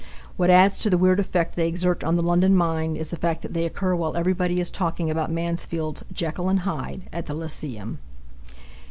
What adds to the weird effect they exert on the London mind is the fact that they occur while everybody is talking about Mansfield's "Jekyll and Hyde" at the Lyceum.